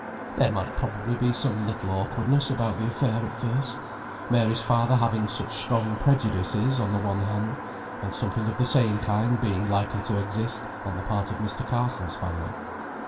There might probably be some little awkwardness about the affair at first: Mary's father having such strong prejudices on the one hand; and something of the same kind being likely to exist on the part of Mr. Carson's family.